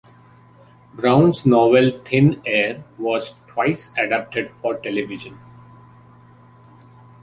Browne's novel "Thin Air" was twice adapted for television.